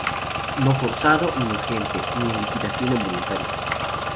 No forzado, ni urgente, ni en liquidación involuntaria.